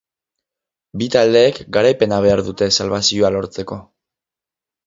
Bi taldeek garaipena behar dute salbazioa lortzeko.